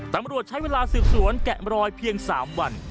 ตำรวจใช้เวลาสืบสวนแกะมรอยเพียง๓วัน